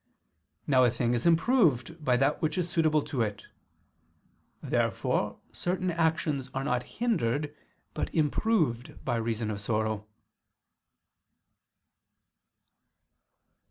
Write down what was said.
Now a thing is improved by that which is suitable to it. Therefore certain actions are not hindered but improved by reason of sorrow.